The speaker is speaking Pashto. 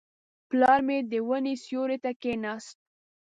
پلار مې د ونې سیوري ته کښېناست.